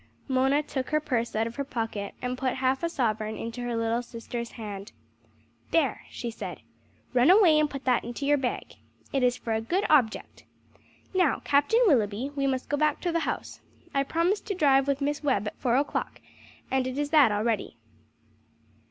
Mona took her purse out of her pocket, and put half a sovereign into her little sister's hand. "There!" she said. "Run away and put that into your bag. It is for a good object. Now, Captain Willoughby, we must go back to the house. I promised to drive with Miss Webb at four o'clock, and it is that already."